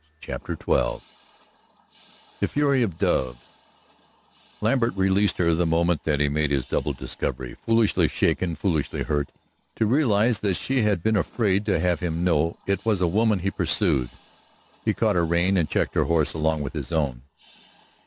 CHAPTER XII THE FURY OF DOVES Lambert released her the moment that he made his double discovery, foolishly shaken, foolishly hurt, to realize that she had been afraid to have him know it was a woman he pursued. He caught her rein and checked her horse along with his own.